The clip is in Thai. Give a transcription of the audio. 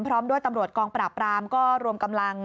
พร้อมด้วยตำรวจกองปราบรามก็รวมกำลัง